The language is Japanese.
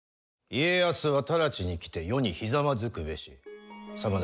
家康は直ちに来て余にひざまずくべし。